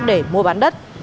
để mua bán đất